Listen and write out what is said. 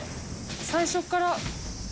最初っから。